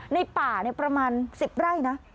ในป่าประมาณ๑๐ไร่นะ